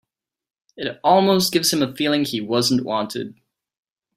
It almost gives him a feeling he wasn't wanted.